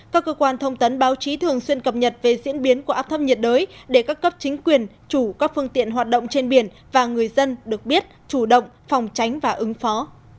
các cơ quan thông tấn báo chí thường xuyên cập nhật về diễn biến của áp thấp nhiệt đới để các cấp chính quyền chủ các phương tiện hoạt động trên biển và người dân được biết chủ động phòng tránh và ứng phó